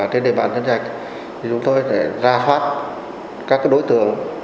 tại địa bàn nhân trạch chúng tôi sẽ ra phát các đối tượng